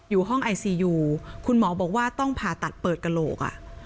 อยู่ห้องไอซียูคุณหมอบอกว่าต้องผ่าตัดเปิดกระโหลก